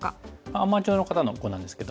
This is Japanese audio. アマチュアの方の碁なんですけども。